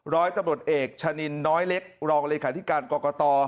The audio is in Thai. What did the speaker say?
ร้อยตำรวจเอกชะนินน้อยเล็กรองเลขาธิการกรกต